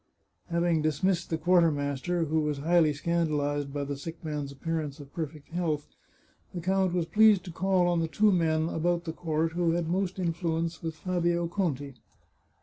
Having dismissed the quartermaster, who was highly scandalized by the sick man's appearance of perfect health, the count was pleased to call on the two men about the court who had most influence with Fabio Conti.